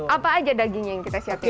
apa aja dagingnya yang kita siapin